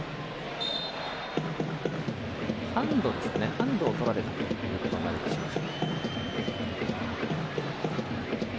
ハンドをとられたということになるでしょうか。